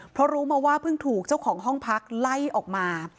เพราะรู้มาว่าเพิ่งถูกเจ้าของห้องพักไล่ออกมา